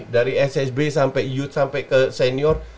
dari ssb sampai yut sampai ke senior